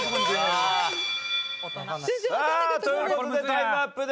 さあという事でタイムアップです。